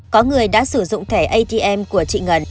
có người đã sử dụng thẻ atm của chị ngân